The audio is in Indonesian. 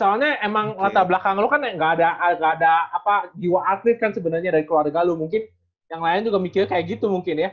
soalnya emang latar belakang lo kan nggak ada jiwa atlet kan sebenarnya dari keluarga lo mungkin yang lain juga mikirnya kayak gitu mungkin ya